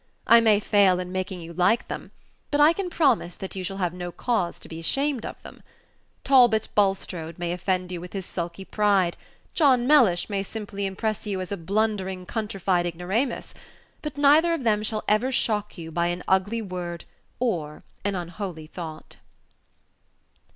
I may fail in making you like them, but I can promise that you shall have no cause to be ashamed of them. Talbot Bulstrode may offend you with his sulky pride, John Mellish may simply impress you as a blundering, countrified ignoramus, but neither of them shall ever shock you by an ugly word or an unholy thought.